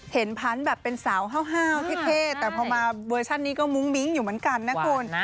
พันธุ์แบบเป็นสาวห้าวเท่แต่พอมาเวอร์ชันนี้ก็มุ้งมิ้งอยู่เหมือนกันนะคุณ